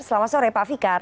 selamat sore pak fikar